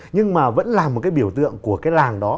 nhưng mà vẫn là một cái biểu tượng của cái làng đó